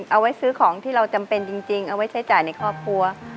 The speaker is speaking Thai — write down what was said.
เอาไว้ซื้อของที่เราจำเป็นจริงเอาไว้ใช้จ่ายในครอบครัว